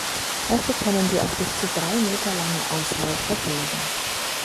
Häufig können sie auch bis zu drei Meter lange Ausläufer bilden.